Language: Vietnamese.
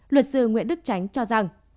luật sư nguyễn đức chánh cho rằng